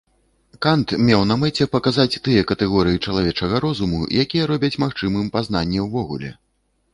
Кант меў на мэце паказаць тыя катэгорыі чалавечага розуму, якія робяць магчымым пазнанне ўвогуле.